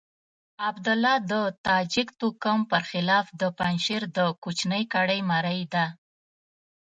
عبدالله د تاجک توکم پر خلاف د پنجشير د کوچنۍ کړۍ مرۍ ده.